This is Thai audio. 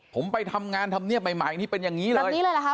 ผมไปทำงานทำเรียบใหม่นี้เป็นอย่างงี้เลย